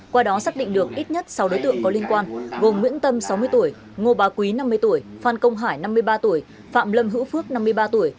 qua đó xác định được ít nhất sáu đối tượng có liên quan gồm nguyễn tâm sáu mươi tuổi ngô bà quý năm mươi tuổi phan công hải năm mươi ba tuổi phạm lâm hữu phước năm mươi ba tuổi